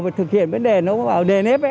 và thực hiện vấn đề nó vào đề nếp